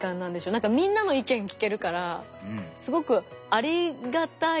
なんかみんなの意見聞けるからすごくありがたいですね。